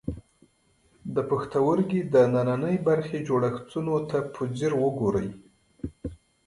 د پښتورګي دننۍ برخې جوړښتونو ته په ځیر وګورئ.